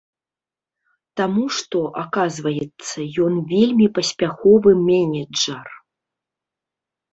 Таму што, аказваецца, ён вельмі паспяховы менеджар.